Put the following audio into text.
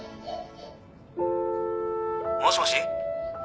「もしもし？」